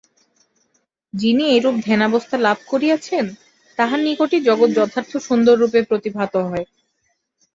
যিনি এইরূপ ধ্যানাবস্থা লাভ করিয়ছেন, তাঁহার নিকটই জগৎ যথার্থ সুন্দররূপে প্রতিভাত হয়।